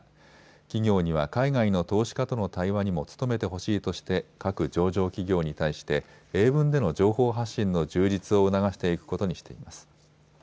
企業には海外の投資家との対話にも努めてほしいとして各上場企業に対して英文での情報発信の充実を促していくことにしています。